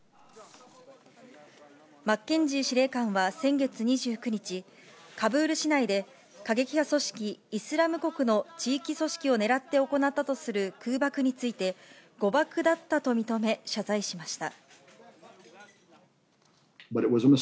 マッケンジー司令官は先月２９日、カブール市内で、過激派組織イスラム国の地域組織を狙って行ったとする空爆について、誤爆だったと認め、謝罪しました。